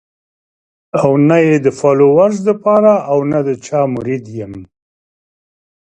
او نۀ ئې د فالوورز د پاره او نۀ د چا مريد يم